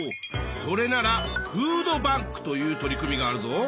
それならフードバンクという取り組みがあるぞ。